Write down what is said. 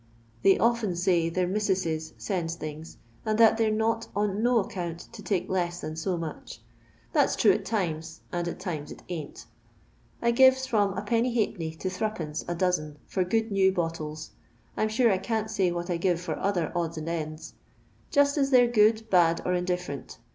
They often say their missusses sends things, and that they 're not on no aeeoont to take less than so much. That 's true at times, and at times it ain't. I gives from lIcC to d<2, a dozen for good new bottles. I 'm Mm I can*t say w^hnt I give for other odds and ends ; jost at they 're good, bad, or indifferent.